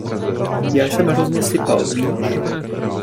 Já jsem hrozně sypal, víš?